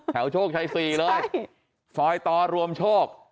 แถวโชคชายศรีเลยสอยตอร์รวมโชค